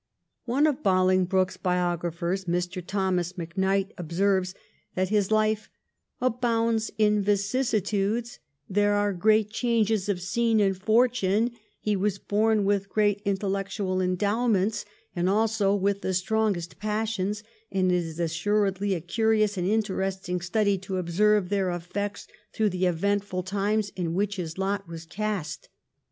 One of Bolingbroke's biographers, Mr. Thomas Macknight, observes that his life 'abounds in vicissitudes ; there are great changes of scene and of fortune ; he was born with great intellectual endowments, and also with the strongest passions ; and it is assuredly a curious and interesting study to observe their effects through the eventful times in which his lot was cast.